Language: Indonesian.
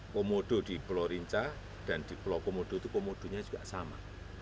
komodo di pulau rinca dan di pulau komodo itu komodonya juga sama